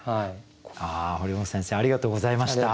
堀本先生ありがとうございました。